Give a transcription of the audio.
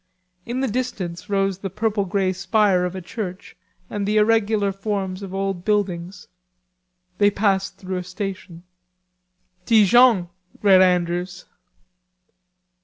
In the distance rose the purple grey spire of a church and the irregular forms of old buildings. They passed through a station. "Dijon," read Andrews.